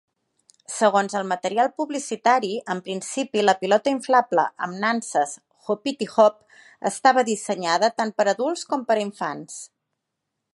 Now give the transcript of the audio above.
Segons el material publicitari, en principi la pilota inflable amb nanses Hoppity Hop estava dissenyada tant per a adults com per a infants.